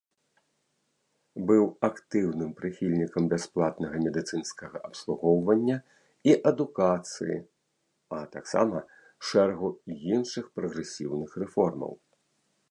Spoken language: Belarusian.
Быў актыўным прыхільнікам бясплатнага медыцынскага абслугоўвання і адукацыі, а таксама шэрагу іншых прагрэсіўных рэформаў.